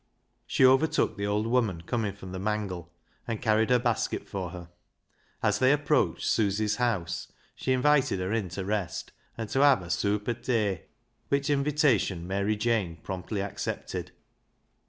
She overtook the old woman coming from the mangle, and carried her basket for her. As they approached Susy's house she invited her in to rest and have " a sooap o' tay," which invitation Mary Jane promptly accepted.